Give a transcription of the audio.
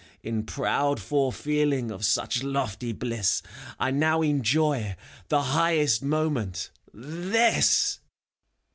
— n proud fore feeling of such lofty bliss, i now enjoy the highest Moment, — ^this!